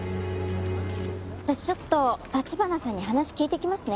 私ちょっと立花さんに話聞いてきますね。